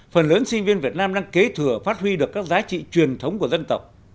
phần lớn sinh viên việt nam đang kế thừa phát huy được các giá trị truyền thống của dân tộc